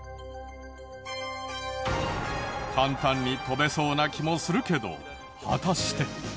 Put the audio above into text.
簡単に跳べそうな気もするけど果たして。